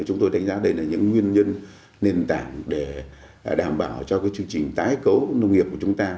chúng tôi đánh giá đây là những nguyên nhân nền tảng để đảm bảo cho chương trình tái cấu nông nghiệp của chúng ta